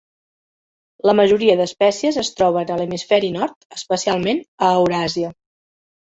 La majoria d'espècies es troben a l'Hemisferi Nord, especialment a Euràsia.